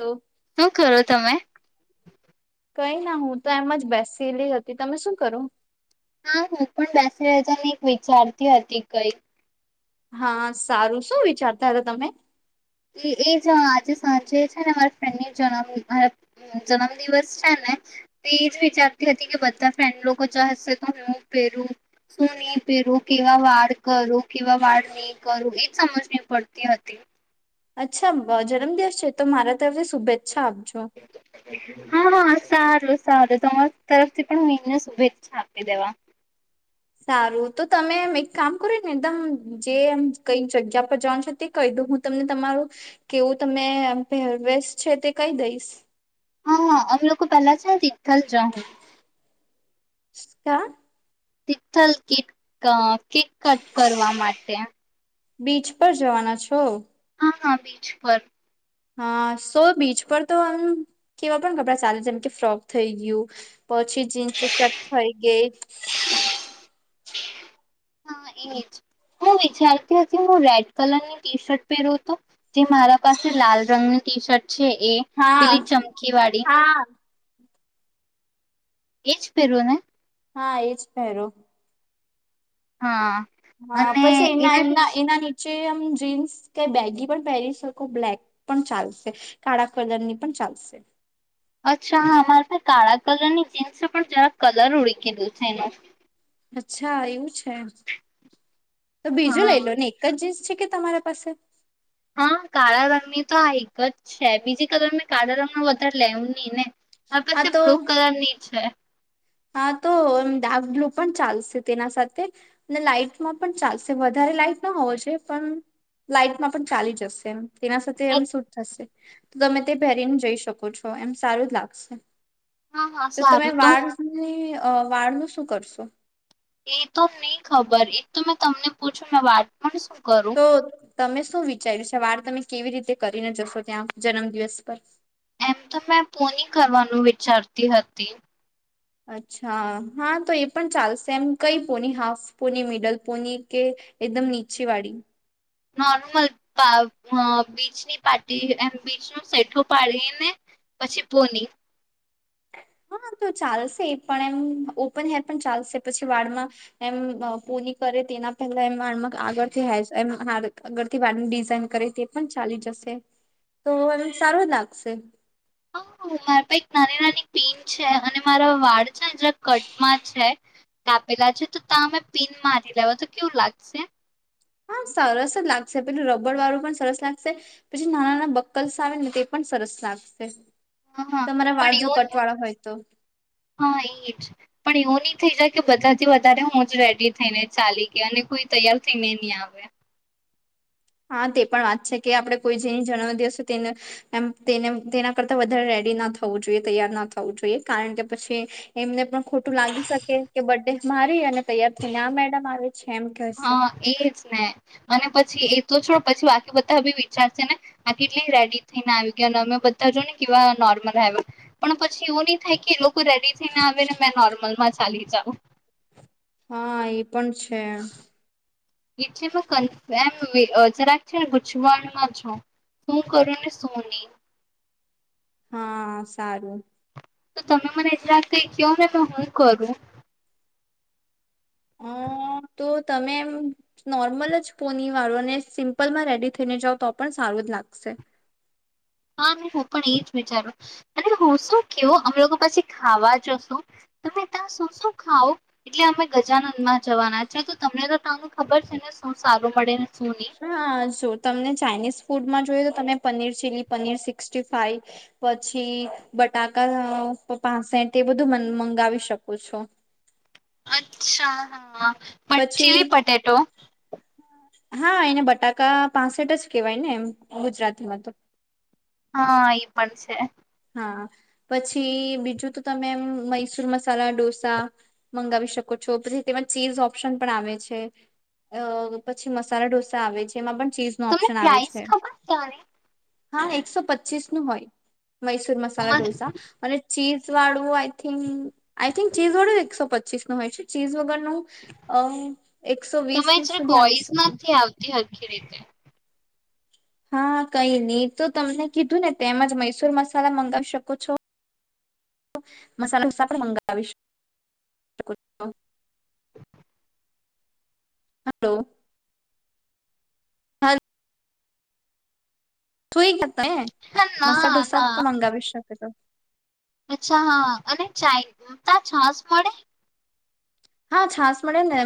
તો શું કરો તમે? કઈ ના હું તો એમ જ બેસેલી હતી તમે શું કરું? હા હું પણ બેસે હતી ને એક વિચારતી હતી કઈક હા સારું શું વિચારતા હતાં તમે? એ એ જ આજે સાંજે છે ને મારા ફ્રેન્ડ જન્મ જન્મદિવસ છે ને તો એજ વિચારતી હતી કે બધા ફ્રેન્ડ લોકો જશે તો હું પહેરું શું નહી પહેરું, કેવા વાળ કરું? કેવા વાળની કરું. સમજવી પડતી હતી. અચ્છા, જન્મદિવસ છે તો મારા તરફથી હવે શુભેચ્છા. આપજો [unintelligible] હા હા, સારું સારું, તમારી તરફથી પણને શુભેચ્છા આપી દેવા. સારું, તો તમે એમ એક કામ કરો ને એકદમ, જેમ કંઈ જગ્યા પર જાનું છો તે કહી દઉ હું તમને, તમારું કેવું, તમે પહેરવેશ છે તે કહી દઈશ. હા હા, અમે લોકો પહેલા છે ને તીથલ જાશું. ક [unintelligible] તિથલ કીધું. કેક કટ કરવા માટે. બીચ પર જવાના છો? હ હા, બીચ પર. હા, સો બીચ પર તો આમ કેવા પણ કપડાં ચાલે જેમ કે ફ્રોક થઈ ગયું. પછી જીન્સ શેટ થઇ ગઈ. હા, એજ હું વિચારતી હતી. હું રેડ કલરની ટી-શર્ટ પહેરુ તો. જે મારા પાસે લાલ રંગની ટી-શર્ટ છે એ હા પીલી ચમકી વાળી. હા એજ પહેરું ને? હા, એજ પહેરો. હા. હા, પછી એના એમના એના ની એમ જીન્સ કે બેગી પણ પહેરી શકો, બ્લેક પણ ચાલશે, કાળા કલર ની પણ ચાલશે. અચ્છા, હા, મારે. કાળા કલર ની જીન્સ છે, પણ જરા કલર ઉળકેલું છે એનું. અચ્છા, એવું છે તો બીજું હા લઈ લો ને. એક જ જીન્સ છે કે તમારા પાસે? હા, કાળા રંગની તો આ એક જ છે. બીજી કલર મેં કાળા રંગ ન વધારે લેવું નહીં ને? મારી હા પાસે તો બ્લુ કલર ની છે. હા, તો એમ ડાર્ક બ્લુ પણ ચાલશે, તેના સાથે અને લાાઈટમાં પણ ચાલશે. વધારે લાઈટ ન હોવો જો પણ લાાઈટમાં પણ ચાલી જશે એ તેના સાથે એમ શૂટ થશે. તો તમે તે પહેરીને જઈ શકો છો, એમ સારું જ લાગશે. હા, હા, સારું તો. વાળ ન શું કરશો? એ તો નહીં ખબર એ તો મેં તમને પૂછું વાળ. તો તમે શું વિચાર્યું છે વાર તમે? કેવી રીતે કરીને જશો? ત્યાં જન્મ દિવસ પર એમ તો મે પોની કરવાનું ચરતી હતી અચ્છા હા તો એ પણ ચાલશે એમ કઈ pony half pony middle pony કે એકદમ નીચે વાળી નોર્મલ પા અ બીચની પાટી એમ બીચ ન સેઠો પાડીને પછી પોની હા તો ચાલશે એ પણ એમ ઓપન હેર પણ ચાલશે પછી વાળમાં એમ પોની કરે તેના પહેલા એમ વાળમા આગળથી હારુ આગળથી વાળ ડિઝઇન કરે તે પણ ચાલી જશે તો એમ સારું લાગશે. હ મારા પાહે એક નાની નાની પીન છે અને મારા વાળ છે ને જ્યા કટમાં છે કાપેલા છે તો ત્યાં અમે પીન મારી લેવા તો કેવું લાગશે. હા સરસ જ લાગશે પેલું રબડ વાળું પણ સરસ લાગશે પછી નાના નાના બક્કલ્સ આવે ને તે પણ સરસ લાગશે. હા હા તમારા વાળ જો પણ એવો કટવાળા હોય તો હા એજ પણ એવોની થઈ જાય કે બધાથી વધારે હું જ રેડી થઈને ચાલી ગય અને કોઈ તૈયાર થઈને ની આવે હા તે પણ વાત છે કે આપણે કોઈ જેની જન્મદિવસ તેને એમ તેને તેના કરતા વધારે રેડી ના થવું જોઈએ તૈયાર ના થવું જોઈએ કારણ કે પછી એમને પણ ખોટું લાગી શકે કે બ્ડે મારી અને તૈયાર થય ને આ મેડમ આવે છે એમ કહેશે હા એજ ને અને પછી એ તો છોડ પછી બાકી બધા બી વિચારશે ને આ કેટલી રેડી થઈને આવી કે અને અમે બધા જો ને કેવા નોર્મલ આવ પણ પછી એવું નહી થાય કે લો રેડી થઈને આવે ને મેં નોર્મલમાં ચાલી જા ઓ હા એ પણ છે. [unintelligible] એમ અ જરાક છે ને ગૂચવાડમાં છુ શું કરું ને શું ની હા સારું તો તમે મને જરાદ કઈ કો ને હું કરું અ તો તમે એમ નોર્મલ જ પોની વાળો ને સિમ્પલમાં રેડી થઈને જાઓ તો પણ સારું જ લાગશે હા ને હું પણ એ જ વિચારું અને હું શું કેવું અમે લોકો પછી ખાવા જશુ તમે ત્યાં શું શું ખાાવ એટલે અમે ગજાનન માં જવાના છે તો તમને તો ત્યા ખબર છે ને શું સારું મળે ને શું નહી હા જો તમને ચાાઈનીઝ ફૂડ મા જોઈ તો તમે paneer chilli paneer sixty five પછી બટાકા પાસેઠ એ બધું મંગાવી શકો છો. અચ્છા હા પણ પછી ચીલી પટેટો હા એને બટાકા પાસેઠ જ કેહેવાય ને એમ ગુજરાતીમાં તો હા ઈ પણ છે. હા પછી બીજું તો તમે એમ મૈસુર મસાલા ઢોસા મંગાવી શકો છો પછી તેમાં ચીઝ ઓપ્શન પણ આવે છે અ પછી મસાલા ઢોસા આવે છે એમાં પણ ચીઝ નો તમને ઓપ્શન આવે પ્રાઇસ છે ખબર ત્યાંની હા એકસો પચીસ નું હોય મૈસૂર મસાલા અમાર ઢોસા અને ચીઝ વાળું I I think I think cheese વાડુ જ એક સ પ ચીસ નુ હોય છે ચીઝ વગ નુ અ એકસો વીસ તમે જરાક સુધી આવી વોઇસ શકે નથી આવતી હરખી રીતે હા કઈ ની તો તમને કીધું ને તેમ જ મૈસુર મસાલા મંગાવી શકો છો. મસાલા [unintelligible] પણ મંગાવી સકો છો. હલો. હાલ સુઈ જાત ને હા મસા ના ડઢોસા ના પણ અંગાવી શકેત અચ્છા હા અને ચાય તા છાસ મળે. હા છાશ મળે ને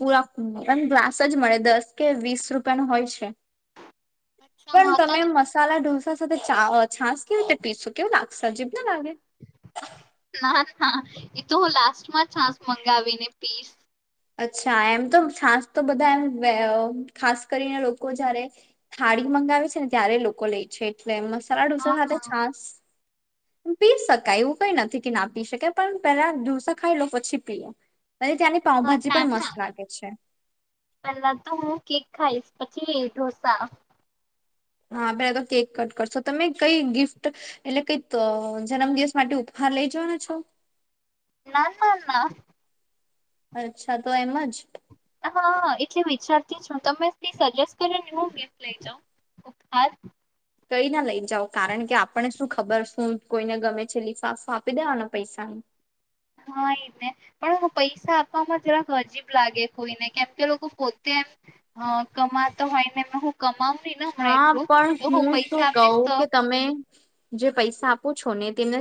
પુરા હ એમ ગ્લાસ જ મળે દસ કે વીસ રૂપિયા ન હોય છે. અચ્છા પણ હા તમે ત્યાં મસાલા ઢોસ સાથે ચા અ છાસ કેવી રીતે પીશું કેવું લાગશે અજીબ ના લાગે. ના ના એતો હું લાસ્ટમાં છાસ મંગાવીને પીસ. અચ્છા એમ તો છસ તો બધા એમ ખાસ કરીને લોકો જયારે થાળી મંગાવે છે ને ત્યારે લોકો લે છે. મસાલા હા ડોસા સાથે છાસ પી શકાય એવું કઈ નથી કે ના પી શકાય પણ પહેલા ઢસા ખાઈ લો પછી પી અને ત્યાં હા, પાઉભાજી ના પણ મસ્ત ના લાગે છે. પેલા તો હું કેક ખાઈશ પછી ઢોસા. હા પેલા તો કેક કટ કરશો તમે કઈ ગિફ્ટ એટલે કઈક જન્મદિવસ માટે ઉપહાર લઇ જવાના છો? ના ના ના. અચ્છા તો એમ જ. હા એટલે વિચાર [unintelligible] તમે સજેસ્ટ કરીને હું ગિફ્ટ લઈ જાઉ ઉપહાર કઈ ના લઈ જાવ કારણ કે આપણને શું ખબર શું કોઈને ગમે છે લિફાફું આપી દેવાના પૈસાન. હા એ ને પણ પૈસા આપવામાં થોડાક અજીબ લાગે કોઈને કેમ કે લોકો પોતે એમ અ કમાતો હોયને હું કમાવ હી ને હમણાં હા એટલું તો પણ હું શું પૈસા આપીશ કહું તો પૂછો ને તેમને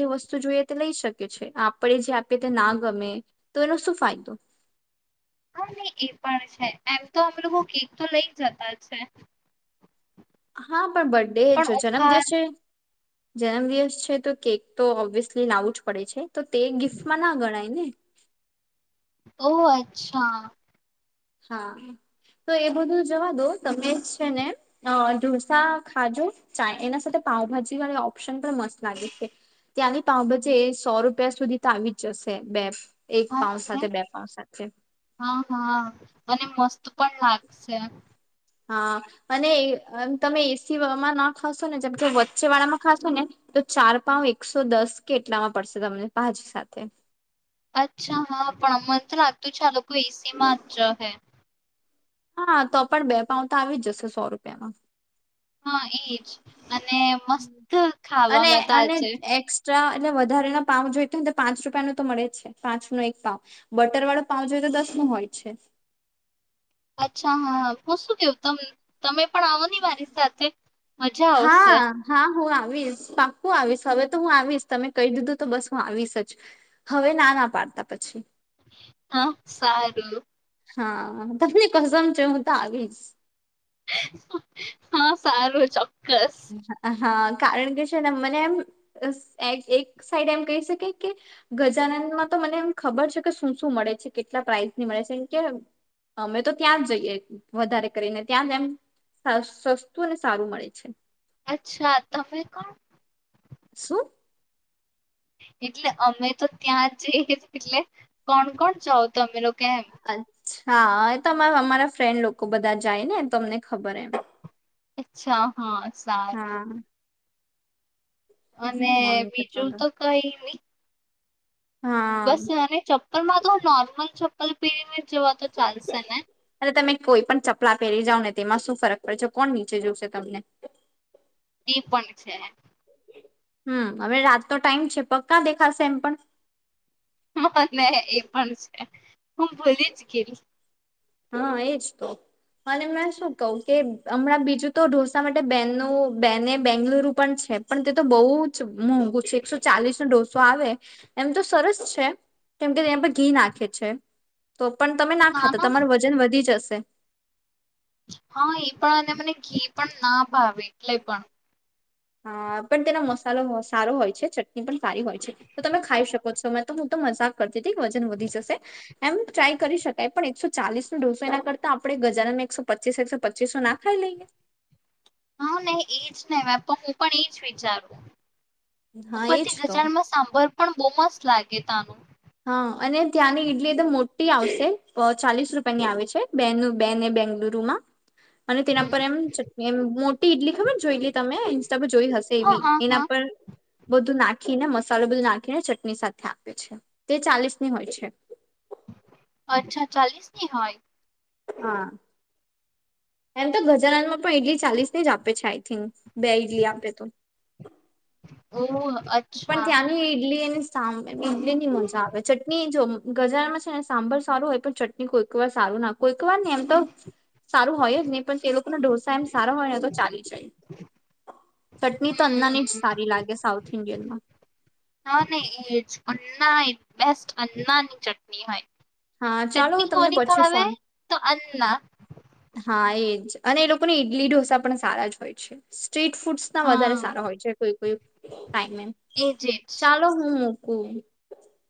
જે વસ્તુ જોઈએ તે લઈ શકે છે આપણે જે આપીએ તે ના ગમે તો એનો શું ફાયદો. હા નહી એ પણ છે એમ તો અમે લોકો કેક તો લઈ જતા છે. હા પણ બર્ડે પણ જો જન્મ ઉપહાર દિવસ છે. જન્મદિવસ છે તો કેક તો ઓબ્વિયસલી લાવું જ પડે છે. તો તે ગિફ્ટમાં ના ગણાય ને. ઓહ અચ્છા. હા તો એ બધું જવા દો તમે છે ને અ ઢોસા ખાજો ચા એના સાથે પાઉભાજી વાળી ઓપ્શન પણ મસ્ત લાગે છે ત્યાંની પાઉભાજી એ સો રૂપિયા સુધી તો આવી જ જશે બે. એક હા પાઉસ ને સાથે બે પાઉ સાચે. હા હા અને મસ્ત પણ લાગશે. હા અને એ તમે એ સીમાં ન ખસું નને જેમ કે ગચેળમાં ખાશે ને તો ચાર પાઉ એકસો દસ કેટલામાં પડશે તમને ભાજી સાથે. અચ્છા હા પણ અમ તો લાગતું આલોક કોઈ સી માંચ જહે. હા તો પણ બે પાઉ તો આવી જ જશે સો રૂપિયામાં. હા એજ અને મસ્ત અને ખાવામાં તા અને છે એક્સ્ટ્રા એટલે વધારે ના પાાવ જોઈ તો ને તો પાંચ રૂપિયા ન તો મળે છે પાંચ નો એક પાવ બટર વાળો પાવ જોઈ તો દસ નો હોય છે અચ્છા હા હું શું કેવું ત તમે પણ આવો ની મારી સાથે મજા આવશે હા હા હું આવીશ પાકું આવીશ હવે તો હું આવીશ તમે કહી દીધું તો બસ હું આવીશ જ હવે ના ના પાડતા પછી હા સારું હા તમને કસમ છે હું તો આવીશ હા સારું ચો હા કારણ કે છે મને એમ એક સાઈડ એમ કહી શકે કે ગજાનનમાં તો મને એમ ખબર છે કે શું શું મળે છે કેટલા પ્રાઇઝની મળે છેમ કે અમે તો ત્યાં જ જઈએ વધારે કરીને ત્યાં જ એમ સસ્તું અને સારું મળે છે અચ્છા તમેે કોણ સુું એટલે અમે તો ત્યાં જ જઈ એટલે કોણ કોણ ચૌ તમે લોકો કેમ હા એ તો અમારા ફ્રેન્ડ લોકો બધા જાય ને તમને ખબર એમ અચ્છા હા હા સારું અને મમ્મી પપ્પા બીજું તો કઈ ની હા બસ એને ચપ પણ મા તો નોર્મલ ચપ્પલ પીર અને તમે કોઈ પણ ચપલા પહેરી જાવ ને તેમાં શું ફરક પડશે કોણ નીચે જોવશે તમને એ પણ છે. હમ્મ હવે રાત નો ટાઈમ છે પગ કા દેખાશે એમ પણ. હા ને એ પણ છે. હું ભૂલી જ ગેલી - હા એજ તો અને મેં શું કવ કે હમણાં બીજું તો ઢોસા માટે બેન બેને બેંગલુરુ પણ છે. પણ તે તો બહુ જ મોઘુ છે, એકસો ચાલીસ નો ડોસ. આવે એમ તો સરસ છે, કેમકે તે પર ઘી નાખે છે. તો પણ તમે ના ખાતા. તમારું વજન વધી જશે. હા એ પણ અને મને ઘે પણ ના ભાવે એટલે પણ. હા પણ તેનો મસાલો સારો હોય છે. ચટણી પણ સારી હોય છે, તો તમે ખાઈ શકો. સમય તો હું તો મજાક કર જેથી વજન વધી જશે એમ ટ્રાય કરી શકાય પણ એકસો ચાલીસ નો ડઢોસો એના, કરતા આપડે ગજાનમાં એકસો પચીસ એકસો પચીસો ના ખાઈ લઈએ? હા નહી એજ ને તો હું પણ એજ વિચારું. હા એજ ઉપરથી તો ગજાનન નો સાંભર પણ બહુ મસ્ત લાગે તાનું. હા, અને ત્યાંની ઈડલી એકદમ મોટી આવશે અહ ચાલીસ રૂપિયા ની આવે છે, બેનું બેનને બેંગલુરુમાં. અને તેના પર હમ એમ ચટની એમ મોટી ઈડલી ખબર જો એટલી, તમે ઇન્સ્ટા પર જોઈ હશે હા એવી હા એના હા પર બધું નાખીને મસ્ત સાલો બધું નાખીને ચટણી સાથે આપે છે. તે ચાલીસ ની હોય છે. અચ્છા ચાલીસની હોય? હા એમ તો ગજાનનમાં પણ ઇડલી ચાલીસ ને જ આપે છે આઈ થિંક, બે ઈડલી આપે તો. ઓહ. પણ અચ્છા ત્યાંની ઈડલી સા ઈડલી ની મજા આવે ચટણી જો ગજાનન માં છે, ને સાંભાર સારું હોય પણ ચટણી કોઈક વાર સારું નાખ કોઈક વાર ને એમ તો સારું હોય જ નહીં પણ તે લોકોના ઢોસા એમ સારો હોય એ તો ચાલી જાય. ચટણી તો અન્નાની જ હમ સારી લાગે સાઉથ ઇન્ડિયન માં હા ને એજ અન્ના એ બેસ્ટ અન્ના ની ચટણી હોય. હા ચાલો હું ચટણી તમને કોની પછી ભાવે ફોન તો અન્ના. હા, એજ અને એ લોકોને ઈડલી ઢોસા પણ સારા જ હોય છે. સ્ટ્રીટ ફૂડ્સ ના વધારે હા સારા હોય છે કોઈ કોઈ ટાઈમ મે. એજ એજ ચાલો હું હુએ.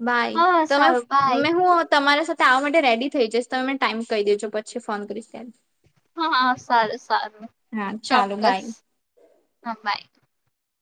બાય હા તમે સારું બાય મે હું તમારે સા તો આવા માટે રેડી થઈ જઈશ તમે મને ટાઈમ કહી દેજો પછી ફોન કરીશ તેમ. હા હા સારું સારું હા ચાલો બાય ચોક્કસ હા બાય.